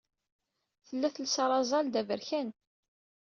Tella telsa arazal d aberkan.